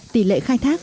tỷ lệ khai thác